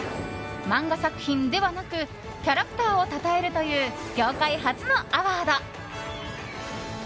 漫画作品ではなくキャラクターをたたえるという業界初のアワード。